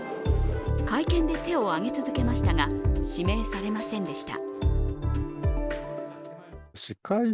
会見で手を挙げ続けましたが、指名されませんでした。